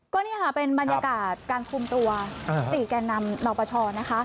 ก็นี่ค่ะเป็นบรรยากาศการคุมตัว๔แก่นำนปชนะคะ